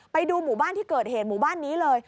ไปดูหมู่บ้านที่เกิดเหตุหมู่บ้านนี้เลย